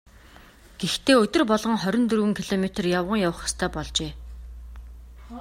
Гэхдээ өдөр болгон хорин дөрвөн километр явган явах ёстой болжээ.